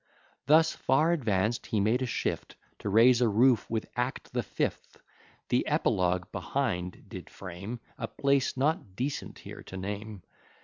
Thus far advanc'd, he made a shift To raise a roof with act the fift. The epilogue behind did frame A place, not decent here to name.